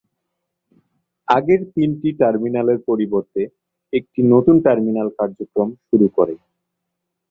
আগের তিনটি টার্মিনালের পরিবর্তে একটি নতুন টার্মিনাল কার্যক্রম শুরু করে।